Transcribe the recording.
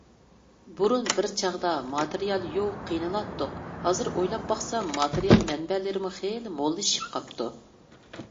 بۇرۇن بىر چاغدا ماتېرىيال يوق قىينىلاتتۇق. ھازىر ئويلاپ باقسام ماتېرىيال مەنبەلىرىمۇ خېلى موللىشىپ قاپتۇ.